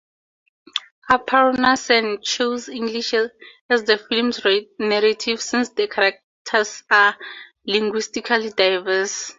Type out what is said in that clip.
Aparna Sen chose English as the film's narrative since the characters are linguistically diverse.